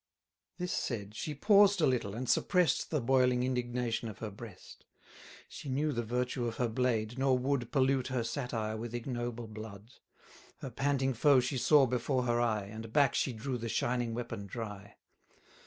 260 This said, she paused a little, and suppress'd The boiling indignation of her breast. She knew the virtue of her blade, nor would Pollute her satire with ignoble blood: Her panting foe she saw before her eye, And back she drew the shining weapon dry.